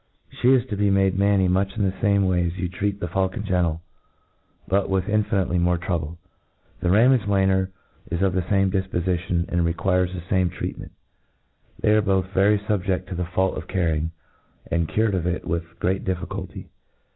She is to be made manny much in the fame way as you treat the faulcon gentlc, but with infinitely more trouble. The ramage lanner is of the fame difpofition, and requires th^ fame treatment. They arc both very fubjed Xq the feult pf cjtrrying, and cured of it with great difficulty.